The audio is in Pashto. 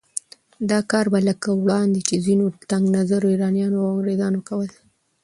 دا کار به لکه وړاندې چې ځينو تنګ نظره ایرانیانو او انګریزانو کول